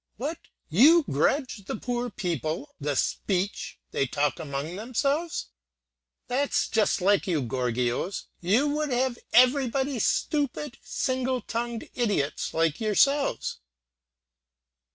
What, you grudge the poor people the speech they talk among themselves? That's just like you gorgios: you would have everybody stupid single tongued idiots like yourselves.